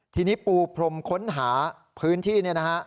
ทีนี้ปูพรมค้นหาพื้นที่เนี่ยนะฮะ